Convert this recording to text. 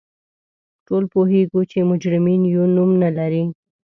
ټول پوهیږو چې مجرمین یو نوم نه لري